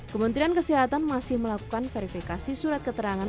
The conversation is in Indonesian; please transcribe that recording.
kementerian kesehatan masih melakukan verifikasi surat keterangan